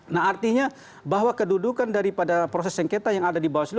nah artinya bahwa kedudukan daripada proses sengketa yang ada di bawaslu